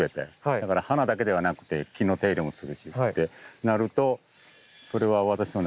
だから花だけではなくて木の手入れもするしってなるとそれは私の中ではもう庭師なので。